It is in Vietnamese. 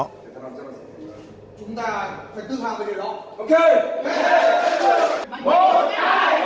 chúng ta phải tự hào vì điều đó